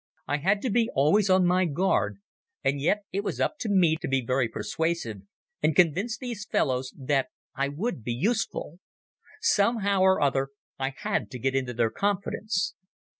I had to be always on my guard, and yet it was up to me to be very persuasive and convince these fellows that I would be useful. Somehow or other I had to get into their confidence.